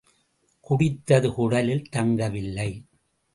குடித்தது குடலில் தங்கவில்லை.